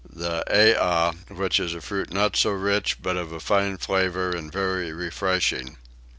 The ayyah, which is a fruit not so rich but of a fine flavour and very refreshing.